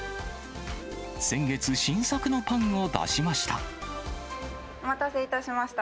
先月、新作のパンを出しました。